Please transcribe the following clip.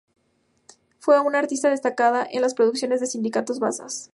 Fue una artista destacada en las producciones del sindicato Vasas.